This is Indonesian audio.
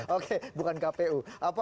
oke bukan kpu